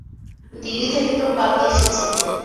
দিল্লি থেকে তোর পালকি এসেছে।